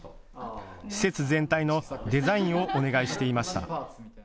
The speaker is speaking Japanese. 施設全体のデザインをお願いしていました。